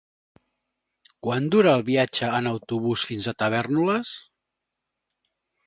Quant dura el viatge en autobús fins a Tavèrnoles?